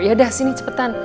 yaudah sini cepetan